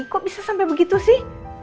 kok bisa sampai begitu sih